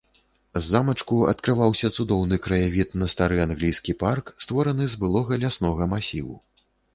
З замачку адкрываўся цудоўны краявід на стары англійскі парк, створаны з былога ляснога масіву.